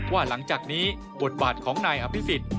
ว่าหลังจากนี้บทบาทของนายอภิษฎ